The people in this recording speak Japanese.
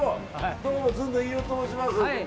どうもずんの飯尾と申します。